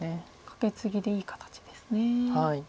カケツギでいい形ですね。